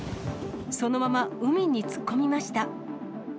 そのまま海に突っ込みました。